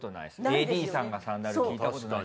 ＡＤさんがサンダル聞いたことない。